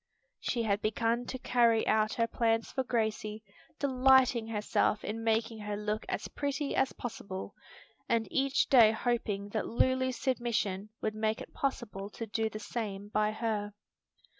She had begun to carry out her plans for Gracie, delighting herself in making her look as pretty as possible, and each day hoping that Lulu's submission would make it possible to do the same by her.